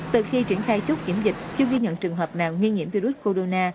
từ khi triển khai chốt kiểm dịch chưa ghi nhận trường hợp nào nghi nhiễm virus corona